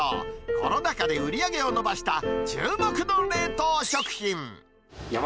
コロナ禍で売り上げを伸ばした注目の冷凍食品。